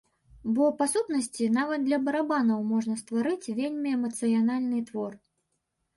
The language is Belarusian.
Бо, па сутнасці, нават для барабанаў можна стварыць вельмі эмацыянальны твор.